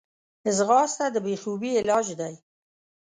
ځغاسته د بېخوبي علاج دی